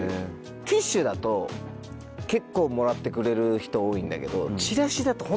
ティッシュだと結構もらってくれる人多いんだけど。